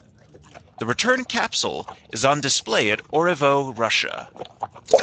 The return capsule is on display at Orevo, Russia.